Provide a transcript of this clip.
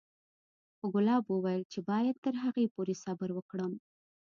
خو ګلاب وويل چې بايد تر هغې پورې صبر وکړم.